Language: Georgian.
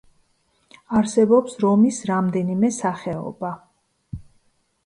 არსებობს რომის რამდენიმე სახეობა.